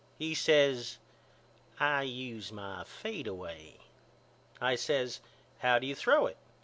He says I use my fadeaway. I says How do you throw it?